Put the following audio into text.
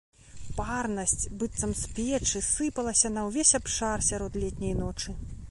Парнасць, быццам з печы, сыпалася на ўвесь абшар сярод летняй ночы.